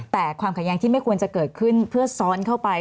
แต่ความขัดแย้งที่ไม่ควรจะเกิดขึ้นเพื่อซ้อนเข้าไป